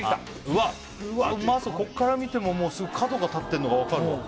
うまそうこっから見てももう角が立ってるのが分かるもん